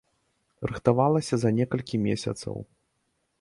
Рыхтавалася за некалькі месяцаў.